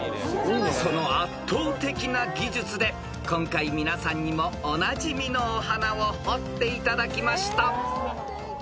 ［その圧倒的な技術で今回皆さんにもおなじみのお花を彫っていただきました］